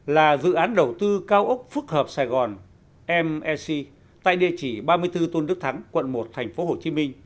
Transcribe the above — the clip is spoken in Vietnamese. là dự án đầu tư cao ốc phức hợp sài gòn mec tại địa chỉ ba mươi bốn tôn đức thắng quận một tp hcm